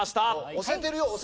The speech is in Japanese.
押せてるよ。